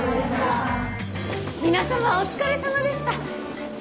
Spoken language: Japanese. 皆様お疲れさまでした。